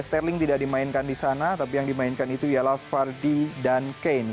sterling tidak dimainkan di sana tapi yang dimainkan itu ialah vardy dan kane